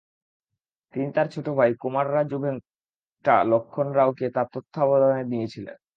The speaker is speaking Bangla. তিনি তার ছোট ভাই কোমাররাজু ভেঙ্কটা লক্ষ্মণ রাওকে তার তত্ত্বাবধানে নিয়েছিলেন।